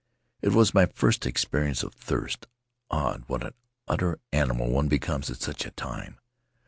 It was my first experience of thirst; odd what an utter animal one becomes at such a time.